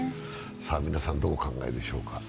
皆さん、どうお考えでしょうか。